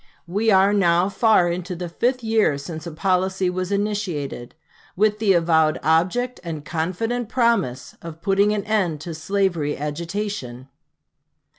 We are now far into the fifth year since a policy was initiated, with the avowed object and confident promise of putting an end to slavery agitation.